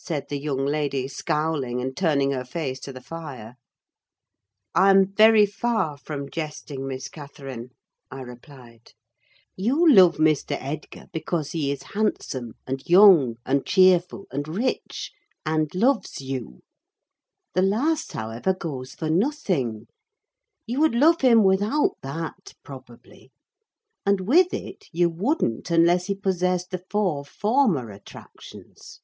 said the young lady, scowling, and turning her face to the fire. "I'm very far from jesting, Miss Catherine," I replied. "You love Mr. Edgar because he is handsome, and young, and cheerful, and rich, and loves you. The last, however, goes for nothing: you would love him without that, probably; and with it you wouldn't, unless he possessed the four former attractions."